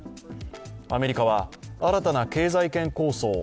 アメリカは、新たな経済圏構想